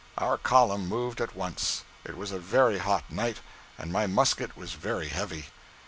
Our column moved at once. It was a very hot night, and my musket was very heavy.